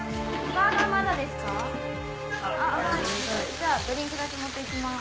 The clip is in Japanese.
じゃあドリンクだけ持って行きます。